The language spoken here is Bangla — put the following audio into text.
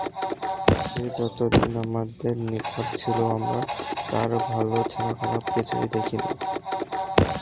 সে যতদিন আমাদের নিকট ছিল আমরা তার ভাল ছাড়া খারাপ কিছুই দেখিনি।